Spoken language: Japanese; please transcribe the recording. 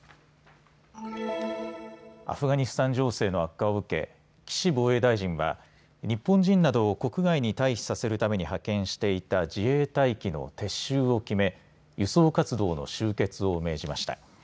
アフガニスタン情勢の悪化を受け岸防衛大臣は日本人などを国外に退避させるために派遣していた自衛隊機の撤収を決め輸送活動の終結を命じました。